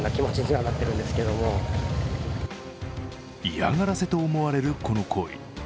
嫌がらせと思われるこの行為。